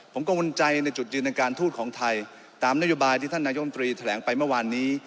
ผมกังวลใจในจุดยืนในการทูตของไทยตามนโยบายที่ท่านนายมตรีแถลงไปเมื่อวานนี้